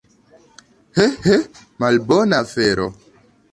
He, he, malbona afero!